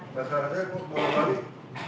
masalahnya kok belum adil